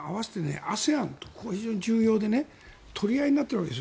ＡＳＥＡＮが非常に重要で取り合いになっているわけです。